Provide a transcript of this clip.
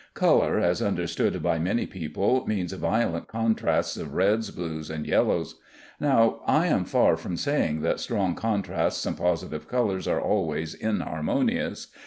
Color, as understood by many people, means violent contrasts of reds, blues, and yellows. Now, I am far from saying that strong contrasts and positive colors are always inharmonious.